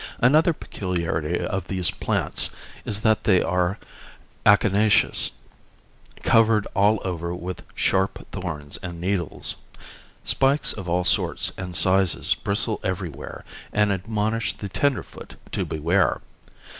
Another peculiarity of these plants is that they are acanaceous; covered all over with sharp thorns and needles. Spikes of all sorts and sizes bristle everywhere and admonish the tenderfoot to beware.